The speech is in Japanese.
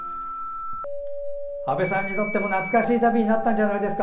阿部さんにとっても懐かしい旅になったんじゃないですか。